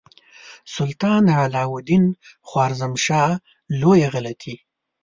سلطان علاء الدین خوارزمشاه لویه غلطي.